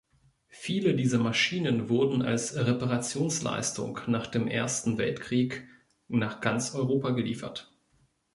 Viele dieser Maschinen wurden als Reparationsleistung nach dem Ersten Weltkrieg nach ganz Europa geliefert.